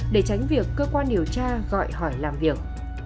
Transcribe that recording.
để tránh việc cơ quan điều tra gọi hỏi làm việc